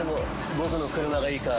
僕の車がいいか。